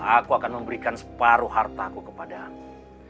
aku akan memberikan separuh hartaku kepada kamu